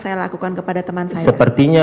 saya lakukan kepada teman saya